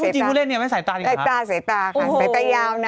เอาไปทำใส่ตาใส่ตาใส่ตาค่ะใส่ตายาวนะ